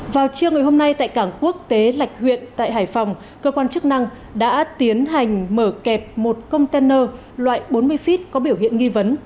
vào chiều ngày hôm nay tại cảng quốc tế lạch huyện tại hải phòng cơ quan chức năng đã tiến hành mở kẹp một container loại bốn mươi feet có biểu hiện nghi vấn